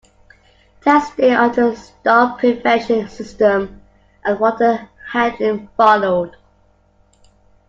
Testing of the Stall Prevention System and water handling followed.